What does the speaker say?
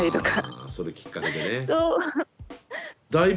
あそれきっかけでね。